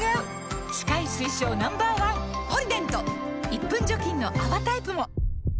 １分除菌の泡タイプも！